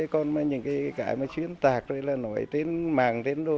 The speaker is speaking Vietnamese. còn những cái xuyên tạc nói tên mạng tên đồ